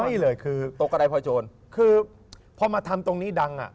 ไม่เลยคือคือพอมาทำตรงนี้ดัง